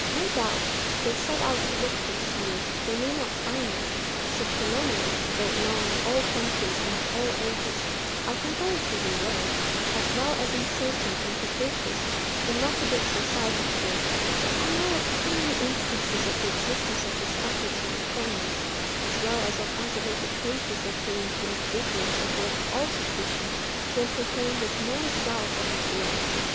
No doubt, if they set out to look for seers, they may not find them; such phenomena, though known in all countries and in all ages, are comparatively rare, as well as uncertain and capricious, and not to be exercised at will: but I know of too many instances of the existence of this faculty in families, as well as of isolated cases occurring to individuals above all suspicion, to entertain the smallest doubt of its reality.